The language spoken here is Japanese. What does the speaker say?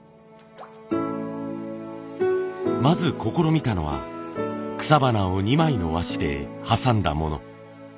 まず試みたのは草花を２枚の和紙で挟んだもの。